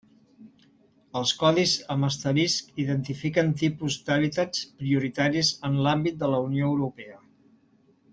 Els codis amb asterisc identifiquen tipus d'hàbitats prioritaris en l'àmbit de la Unió Europea.